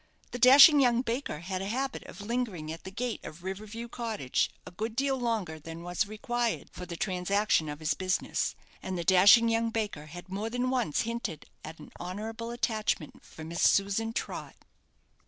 The dashing young baker had a habit of lingering at the gate of River View Cottage a good deal longer than was required for the transaction of his business; and the dashing young baker had more than once hinted at an honourable attachment for Miss Susan Trott.